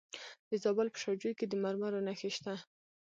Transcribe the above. د زابل په شاجوی کې د مرمرو نښې شته.